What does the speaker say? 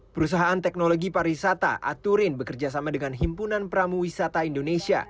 perusahaan teknologi pariwisata aturin bekerjasama dengan himpunan pramu wisata indonesia